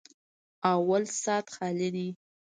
_اول سات خالي دی.